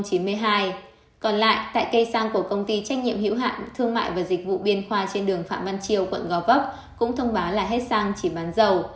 còn lại tại cây xăng của công ty trách nhiệm hữu hạn thương mại và dịch vụ biên khoa trên đường phạm văn triều quận gò vấp cũng thông báo là hết xăng chỉ bán dầu